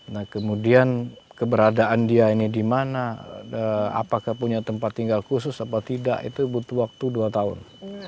nah kemudian keberadaan dia ini di mana apakah punya tempat tinggal khusus atau tidak itu butuh waktu dua tahun